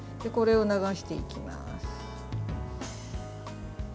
これを流していきます。